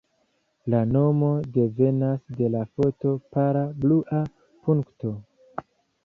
La nomo devenas de la foto Pala Blua Punkto.